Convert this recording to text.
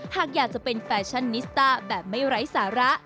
หากอยากจะเป็นแฟชั่นนิสต้าแบบไม่ไร้สาระ